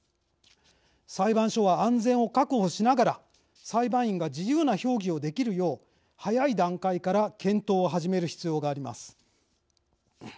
裁判所は安全を確保しながら裁判員が自由な評議をできるよう早い段階から検討を始める必要があります。